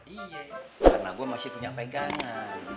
iya karena gue masih punya pegangan